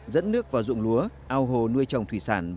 dẫn nước vào ruộng lúa ao hồ nuôi trồng thủy sản